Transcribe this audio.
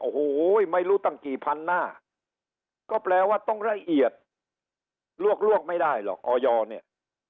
โอ้โหไม่รู้ตั้งกี่พันหน้าก็แปลว่าต้องละเอียดลวกไม่ได้หรอกออยเนี่ย